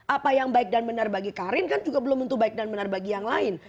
apa yang baik dan benar bagi karin kan juga belum tentu baik dan benar bagi yang lain